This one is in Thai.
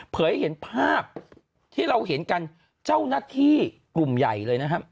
ให้เห็นภาพที่เราเห็นกันเจ้าหน้าที่กลุ่มใหญ่เลยนะครับ